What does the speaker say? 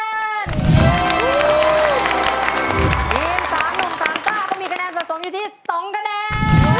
ทีมสาวนมสาวต้าก็มีคะแนนสะสมอยู่ที่๒คะแนน